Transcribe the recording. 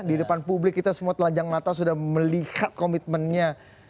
di depan publik kita semua telanjang mata sudah melihat komitmennya